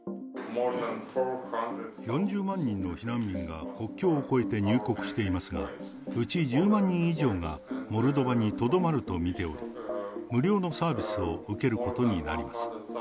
４０万人の避難民が国境を越えて入国していますが、うち１０万人以上が、モルドバにとどまると見ており、無料のサービスを受けることになります。